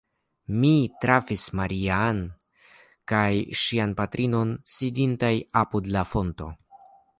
Mi trafis Maria-Ann kaj ŝian patrinon sidantaj apud la fonto.